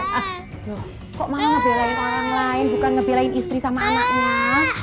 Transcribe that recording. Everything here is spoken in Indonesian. kok malah ngebelain ke orang lain bukan ngebelain istri sama anaknya